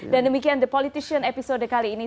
dan demikian the politician episode kali ini